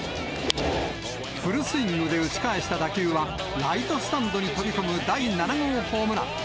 フルスイングで打ち返した打球は、ライトスタンドに飛び込む第７号ホームラン。